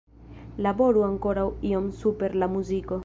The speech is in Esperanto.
Laboru ankoraŭ iom super la muziko.